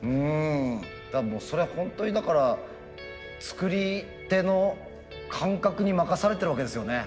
それはホントにだから作り手の感覚に任されてるわけですよね。